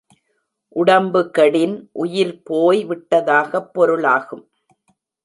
உடம்பு கெடின் உயிர் போய் விட்ட தாகப் பொருளாகும்.